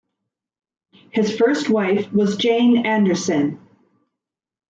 His first wife was Jane Anderson.